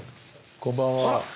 こんばんは。